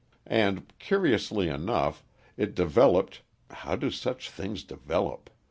And, curiously enough, it developed how do such things develop?